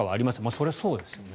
それはそうですよね。